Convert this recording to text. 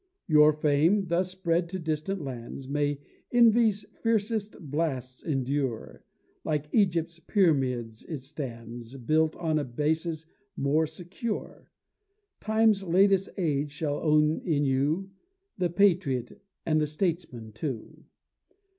Your fame, thus spread to distant lands, May envy's fiercest blasts endure, Like Egypt's pyramids it stands, Built on a basis more secure; Time's latest age shall own in you The patriot and the statesman too.